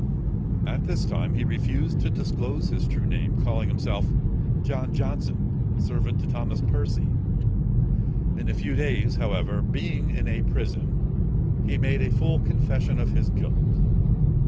At this time, he refused to disclose his true name, calling himself John Johnson, servant to Thomas Percy. In a few days, however, being in a prison, he made a full confession of his guilt.